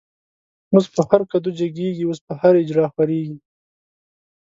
اوس په هر کدو جګيږی، اوس په هر” اجړا” خوريږی